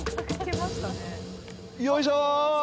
よいしょ！